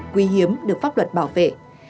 quý hiếm được pháp luật bảo vệ